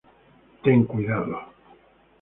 Ten Cuidado!